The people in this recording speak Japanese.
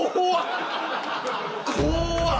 怖っ！